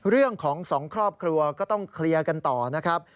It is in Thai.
เรื่องของสองครอบครัวก็ต้องเคลียร์กันต่อนะครับ